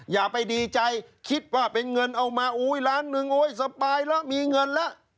อย่าไปดีใจคิดว่าเป็นเงินเอามาโอ้ยล้านหนึ่งโอ๊ยสบายแล้วมีเงินแล้ว